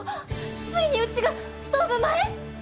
ついにうちがストーブ前？